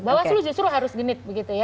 bawaslu justru harus genit begitu ya